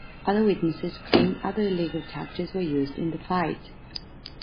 Other witnesses claimed other illegal tactics were used in the fight.